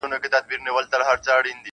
• چا غړومبی ورته کاوه چا اتڼونه -